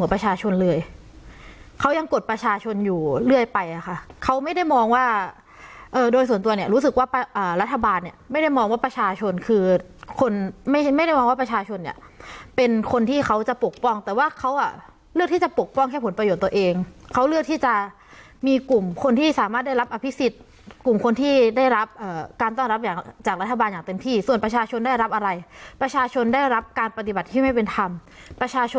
ว่ารัฐบาลไม่ได้มองว่าประชาชนคือคนไม่ได้มองว่าประชาชนเป็นคนที่เขาจะปกป้องแต่ว่าเขาเลือกที่จะปกป้องแค่ผลประโยชน์ตัวเองเขาเลือกที่จะมีกลุ่มคนที่สามารถได้รับอภิสิตกลุ่มคนที่ได้รับการต้องรับอย่างจากรัฐบาลอย่างเต็มที่ส่วนประชาชนได้รับอะไรประชาชนได้รับการปฏิบัติที่ไม่เป็นธรรมประช